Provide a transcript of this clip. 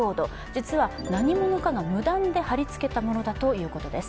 実は何者かが無断で貼り付けたものだということです。